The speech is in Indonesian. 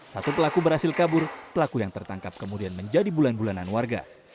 satu pelaku berhasil kabur pelaku yang tertangkap kemudian menjadi bulan bulanan warga